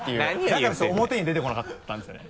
だから表に出てこなかったんですよね。